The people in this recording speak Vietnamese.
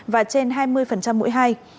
và trên hai mươi mũi hai